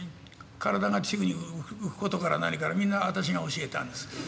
体が宙に浮くことから何からみんなあたしが教えたんです。